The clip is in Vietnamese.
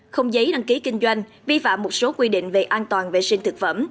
không giấy đăng ký kinh doanh vi phạm một số quy định về an toàn vệ sinh thực phẩm